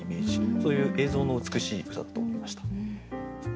そういう映像の美しい歌だと思いました。